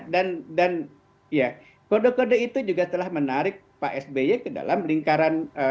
dan kode kode itu juga telah menarik pak sby ke dalam lingkaran